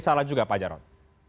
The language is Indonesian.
salah juga pak jarot